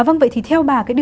vâng vậy thì theo bà